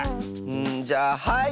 んじゃあはい！